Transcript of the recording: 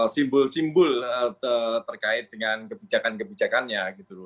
simbol simbol terkait dengan kebijakan kebijakannya